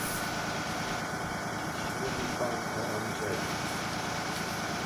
Dziś mówił pan o Angeli